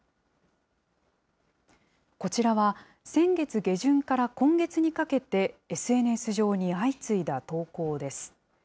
こちらは、先月下旬から今月にかけて、ＳＮＳ上に相次いだ投稿です。